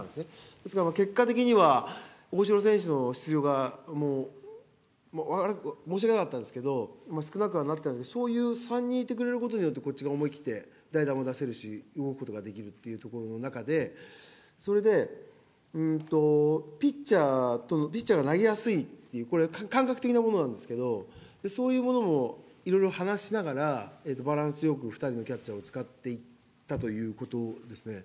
ですから結果的には大城選手の出場が、もう申し訳なかったんですけど、少なくはなったんですけど、そういう３人いてくれることによって、こっちが思い切って代打も出せるし、動くことができるっていう中で、それで、ピッチャーが投げやすい、これ、感覚的なものなんですけど、そういうものもいろいろ話しながら、バランスよく、２人のキャッチャーを使っていったということですね。